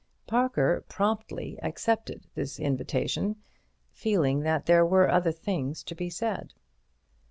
Parker promptly accepted this invitation, feeling that there were other things to be said.